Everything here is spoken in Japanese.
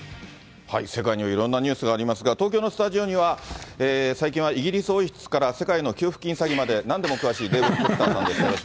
世界にはいろんなニュースがありますが、東京のスタジオには、最近はイギリス王室から世界の給付金詐欺まで、なんでも詳しいデーブ・スペクターさんです。